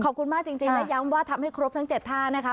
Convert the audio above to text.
ขอบคุณมากจริงและย้ำว่าทำให้ครบทั้ง๗ท่านะคะ